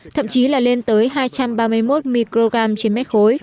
thậm chí là lên tới hai trăm ba mươi một microgram trên mét khối